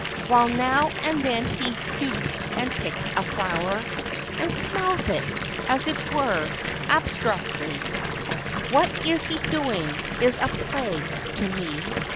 While now and then he stoops and picks a flower, And smells it, as it were, abstractedly. What he is doing is a plague to me